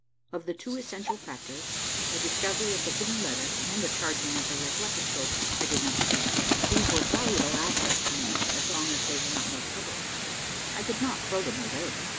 Of the two essential factors, the discovery of the hidden letter and the charging of the reflectoscopes, I did not speak. These were valuable assets to me, as long as they were not made public. I could not throw them away.